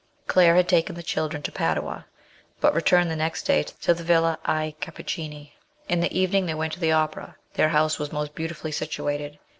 Claire had taken the children to Padua, but returned the next day to the Villa 1 Cappuccini. In the even ing they went to the Opera. Their house was most beautifully situated.